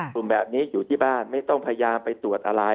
กลุ่มแบบนี้อยู่ที่บ้านไม่ต้องพยายามไปตรวจอะไร